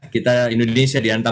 kita indonesia diantar